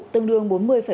tương đương bốn mươi năm